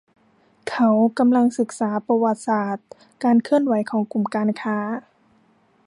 เขากำลังศึกษาประวัติศาสตร์การเคลื่อนไหวของกลุ่มการค้า